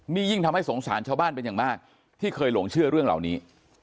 นี่ยิ่งทำให้สงสารชาวบ้านเป็นอย่างมากที่เคยหลงเชื่อเรื่องเหล่านี้